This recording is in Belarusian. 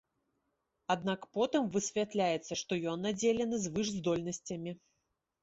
Аднак потым высвятляецца, што ён надзелены звышздольнасцямі.